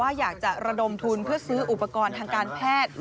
อยากจะระดมทุนเพื่อซื้ออุปกรณ์ทางการแพทย์